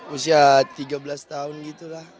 usia tiga belas tahun gitu lah